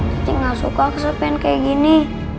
tidak suka kesepian kaya gini